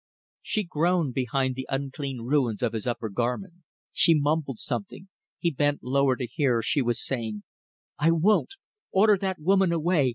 She groaned behind the unclean ruins of his upper garment. She mumbled something. He bent lower to hear. She was saying "I won't. Order that woman away.